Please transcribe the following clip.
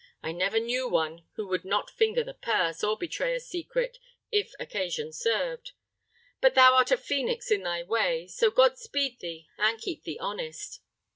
I never knew one who would not finger the purse, or betray a secret, if occasion served; but thou art a ph[oe]nix in thy way, so God speed thee and keep thee honest."